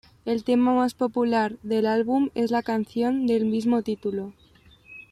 El tema más popular del álbum es la canción del mismo título.